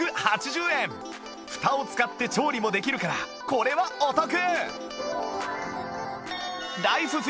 フタを使って調理もできるからこれはお得！